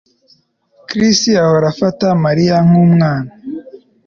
Chris ahora afata Mariya nkumwana